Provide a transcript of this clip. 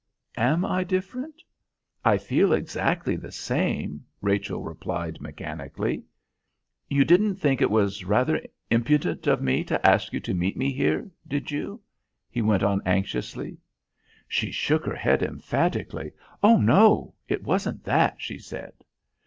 "Am I different? I feel exactly the same," Rachel replied mechanically. "You didn't think it was rather impudent of me to ask you to meet me here, did you?" he went on anxiously. She shook her head emphatically. "Oh! no, it wasn't that," she said.